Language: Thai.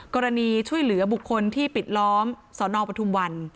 กรณีช่วยเหลือบุคคลที่ปิดล้อมสนปทุมวัน